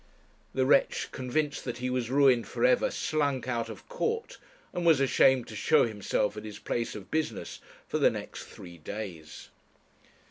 The wretch, convinced that he was ruined for ever, slunk out of court, and was ashamed to show himself at his place of business for the next three days.